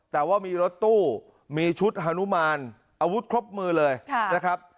แต่ว่ามีรถตู้มีชุดฮานุมานอาวุธครบมือเลยนะครับ